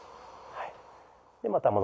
はい。